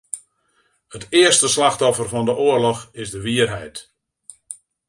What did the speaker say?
It earste slachtoffer fan 'e oarloch is de wierheid.